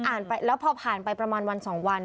ไปแล้วพอผ่านไปประมาณวันสองวัน